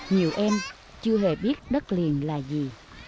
nhiều em chưa hề biết đất liền là gì